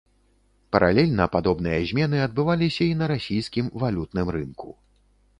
Паралельна падобныя змены адбываліся і на расійскім валютным рынку.